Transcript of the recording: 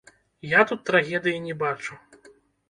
Я тут трагедыі не бачу.